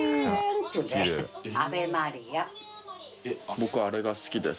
僕あれが好きです。）